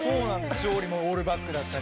勝利もオールバックだったり。